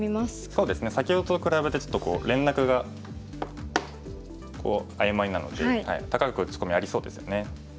そうですね先ほどと比べてちょっと連絡がこう曖昧なので高く打ち込みありそうですよね。